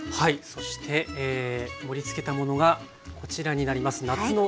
そして盛りつけたものがこちらになります。